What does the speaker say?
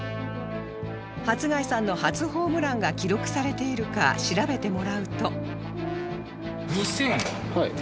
初谷さんの初ホームランが記録されているか調べてもらうと